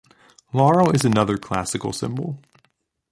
Laurel is another classical symbol.